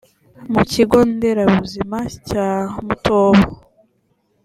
mu kigo nderabuzima cya mutobo